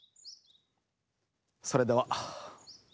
それでは。